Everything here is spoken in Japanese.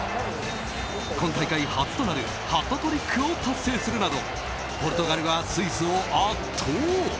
今大会初となるハットトリックを達成するなどポルトガルがスイスを圧倒。